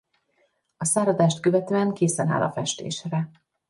A száradást követően készen áll a festésre.